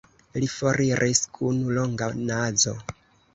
Li foriris kun longa nazo.